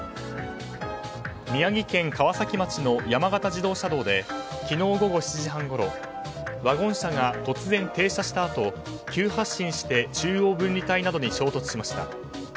宮城県川崎町の山形自動車道で昨日午後７時半ごろワゴン車が突然停車したあと急発進して中央分離帯などに衝突しました。